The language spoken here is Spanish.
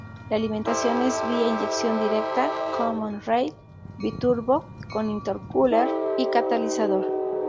La alimentación es vía inyección directa, common-rail, biturbo con intercooler y catalizador.